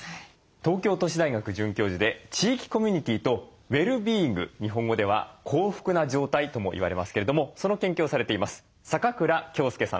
東京都市大学准教授で地域コミュニティーとウェルビーイング日本語では「幸福な状態」ともいわれますけれどもその研究をされています坂倉杏介さんです。